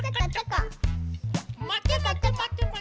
まてまてまてまてまて。